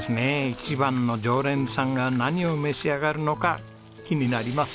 一番の常連さんが何を召し上がるのか気になります！